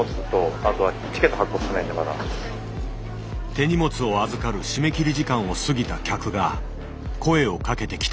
手荷物を預かる締め切り時間を過ぎた客が声をかけてきた。